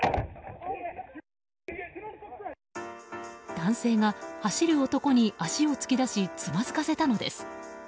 男性が走る男に足を突き出しつまずかせたのです。